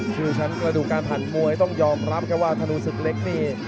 ชื่อชั้นกระดูกการผ่านมวยต้องยอมรับครับว่าธนูศึกเล็กนี่